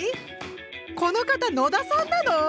この方野田さんなの？